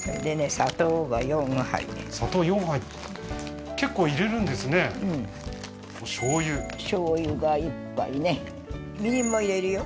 砂糖が４杯砂糖４杯結構入れるんですねうん醤油醤油が１杯ねみりんも入れるよ